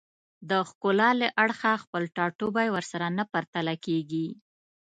د ښکلا له اړخه خپل ټاټوبی ورسره نه پرتله کېږي